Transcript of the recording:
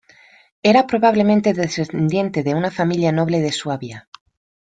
Era probablemente descendiente de una familia noble de Suabia.